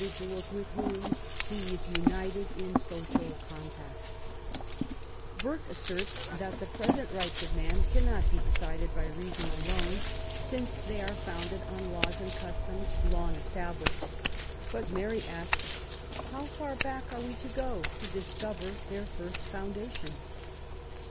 duals with whom he is united in social compact/' Burke asserts that the present rights of man cannot be decided by reason alone, since they are founded on laws and customs long established. Sut Mary asks^ How far ba6k are we to go to discover their first foundation